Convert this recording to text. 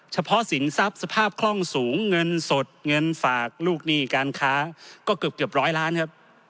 เฉพาะสินทรัพย์สภาพคล่องสูงเงินสดเงินฝากลูกหนี้การค้าก็เกือบร้อยล้านครับ